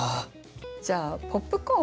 じゃあ「ポップコーン」は？